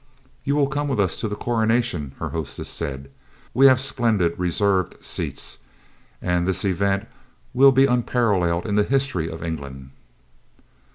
"You will come with us to the Coronation?" her hostess said; "we have splendid reserved seats, and this event will be unparalleled in the history of England."